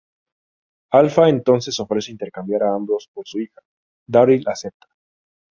Alpha entonces ofrece intercambiar a ambos por su hija; Daryl acepta.